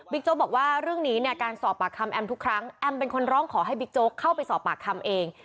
โจ๊กบอกว่าเรื่องนี้เนี่ยการสอบปากคำแอมทุกครั้งแอมเป็นคนร้องขอให้บิ๊กโจ๊กเข้าไปสอบปากคำเอง